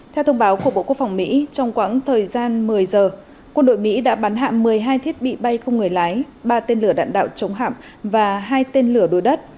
theo thông báo của bộ quốc phòng mỹ trong quãng thời gian một mươi giờ quân đội mỹ đã bắn hạ một mươi hai thiết bị bay không người lái ba tên lửa đạn đạo chống hạm và hai tên lửa đối đất